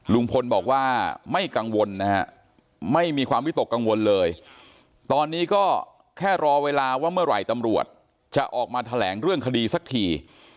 ลุงพลบอกว่าไม่กังวลนะฮะไม่มีความวิตกกังวลเลยตอนนี้ก็แค่รอเวลาว่าเมื่อไหร่ตำรวจจะออกมาแถลงเรื่องคดีสักที